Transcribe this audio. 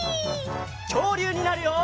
きょうりゅうになるよ！